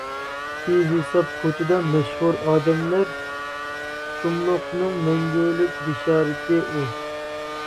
بىھېساب كوچىدا مەشھۇر ئادەملەر، شۇملۇقنىڭ مەڭگۈلۈك بېشارىتى ئۇ.